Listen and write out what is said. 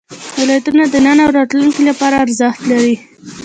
ولایتونه د نن او راتلونکي لپاره ارزښت لري.